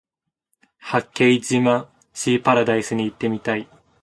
八景島シーパラダイスに行ってみたい